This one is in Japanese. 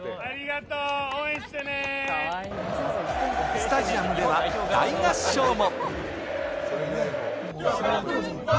スタジアムでは大合唱も！